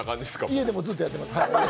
家でもずっとやってます。